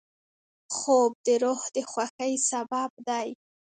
خوب د روح د خوښۍ سبب دی